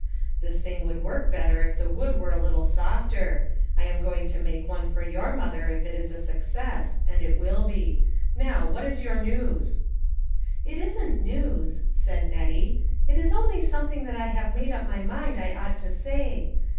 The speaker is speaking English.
" This thing would work better if the wood were a lit tle softer. I am going to make one for your mother if it is a success, and it will be. Now what is your news? "" It isn't news," said Nettie, " it is only some thing that I have made up my mind I ought to say.